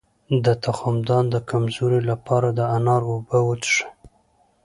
د تخمدان د کمزوری لپاره د انار اوبه وڅښئ